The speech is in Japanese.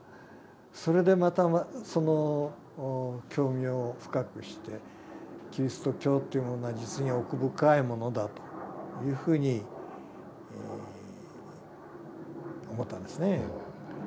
それでまたその興味を深くしてキリスト教というものは実に奥深いものだというふうに思ったんですね。